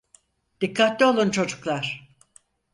Dikkatli olun çocuklar.